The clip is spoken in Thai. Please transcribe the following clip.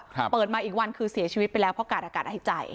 เปิดมาอีกวันคือเสียชีวิตไปแล้วเพราะกาดอากาศหายใจ